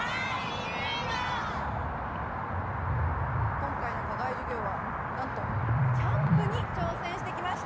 今回の課外授業は何とキャンプに挑戦してきました。